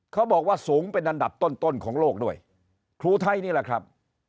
เขาบอกว่าสูงเป็นอันดับต้นต้นของโลกด้วยครูไทยนี่แหละครับ